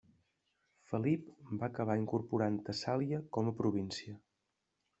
Felip va acabar incorporant Tessàlia com a província.